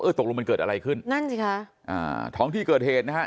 ตกลงมันเกิดอะไรขึ้นนั่นสิคะอ่าท้องที่เกิดเหตุนะฮะ